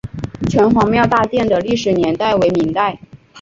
城隍庙大殿的历史年代为明代。